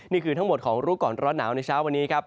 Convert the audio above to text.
นี่คือทั้งหมดของรู้ก่อนร้อนหนาวในเช้าวันนี้ครับ